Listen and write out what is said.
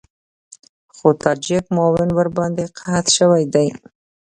خو تاجک معاون ورباندې قحط شوی دی.